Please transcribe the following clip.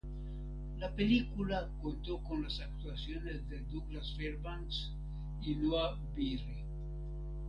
La película contó con las actuaciones de Douglas Fairbanks y Noah Beery.